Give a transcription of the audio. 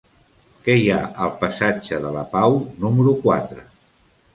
Què hi ha al passatge de la Pau número quatre?